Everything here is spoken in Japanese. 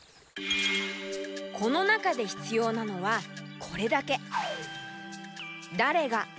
この中でひつようなのはこれだけ。